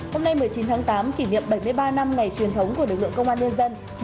hôm nay một mươi chín tháng tám kỷ niệm bảy mươi ba năm ngày truyền thống của lực lượng công an nhân dân